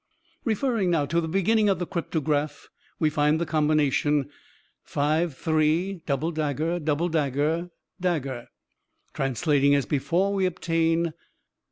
"Referring, now, to the beginning of the cryptograph, we find the combination, 53[double dagger][double dagger][dagger]. "Translating as before, we obtain